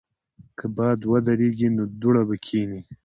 که باد ودریږي، نو دوړه به کښېني.